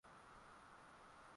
Mzee wa kijiji ni yupi?